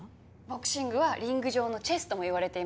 ボクシングはリング上のチェスともいわれています。